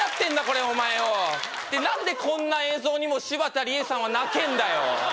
これお前よで何でこんな映像にも柴田理恵さんは泣けんだよ